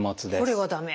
これは駄目。